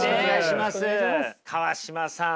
川島さん